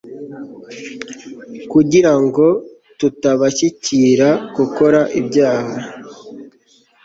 kugira ngo tutabashyigikira gukora ibyaha